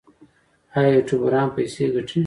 آیا یوټیوبران پیسې ګټي؟